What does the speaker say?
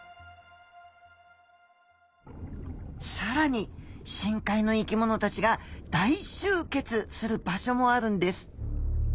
さらに深海の生きものたちが大集結する場所もあるんです。